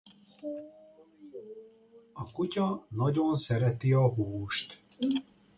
Többféle változatban készül és nagyon sokféle termék készítésére alkalmas.